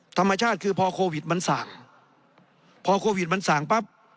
ธรรมชาติคือพอโควิดมันส่างพอโควิดมันสั่งปั๊บ